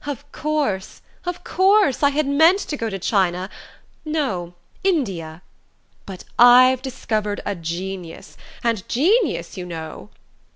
"Of course, of course! I had meant to go to China no, India.... But I've discovered a genius... and Genius, you know...."